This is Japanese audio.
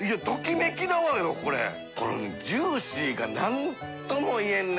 このねジューシーが何とも言えんね。